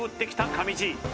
上地